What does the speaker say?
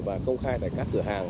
và công khai tại các cửa hàng